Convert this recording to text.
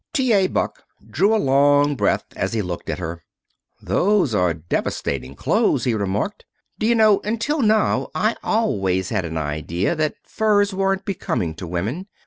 T. A. Buck drew a long breath as he looked at her. "Those are devastating clothes," he remarked. "D'you know, until now I always had an idea that furs weren't becoming to women.